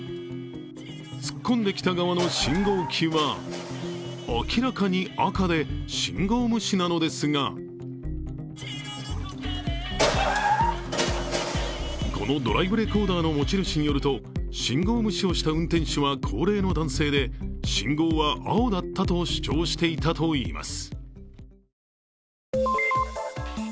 突っ込んできた側の信号機は、明らかに赤で、信号無視なのですがこのドライブレコーダーの持ち主によると、信号無視をした運転手は高齢の男性で信号は青だったと主張していたとしています。